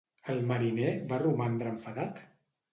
El mariner va romandre enfadat?